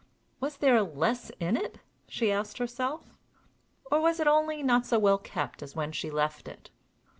Was there less in it? she asked herself or was it only not so well kept as when she left it?